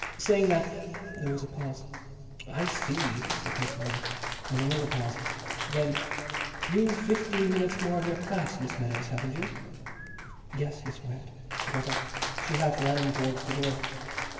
saying that—" There was a pause. "I see," said Miss Wyatt. And another pause. Then—"You've fifteen minutes more of your class, Miss Meadows, haven't you?" "Yes, Miss Wyatt." She got up. She half ran towards the door.